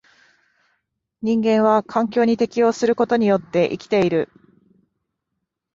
人間は環境に適応することによって生きている。